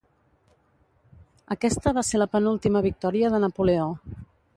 Aquesta va ser la penúltima victòria de Napoleó.